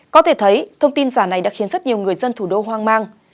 có thể thấy thông tin giả này đã khiến rất nhiều người dân thủ đô hoang mang